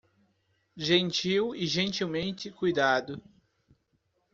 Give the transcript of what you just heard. Gentil e gentilmente cuidado